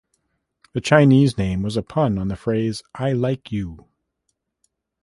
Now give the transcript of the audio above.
The Chinese name was a pun on the phrase "I Like You".